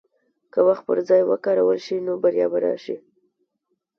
که وخت پر ځای وکارول شي، نو بریا به راشي.